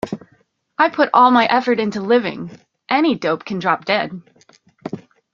I put all my effort into living; any dope can drop dead.